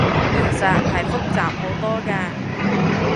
現實係複雜好多㗎